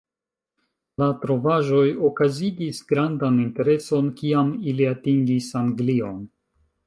La trovaĵoj okazigis grandan intereson kiam ili atingis Anglion.